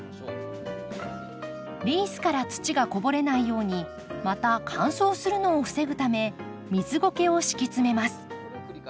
リースから土がこぼれないようにまた乾燥するのを防ぐため水ゴケを敷き詰めます。